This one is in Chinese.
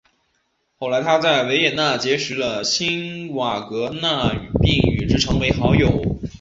后来他在维也纳结识了瓦格纳并与之成为好友。